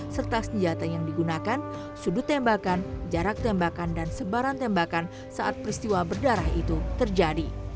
serta senjata yang digunakan sudut tembakan jarak tembakan dan sebaran tembakan saat peristiwa berdarah itu terjadi